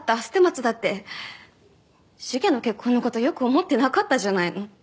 捨松だって繁の結婚の事良く思ってなかったじゃないの。